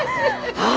ああ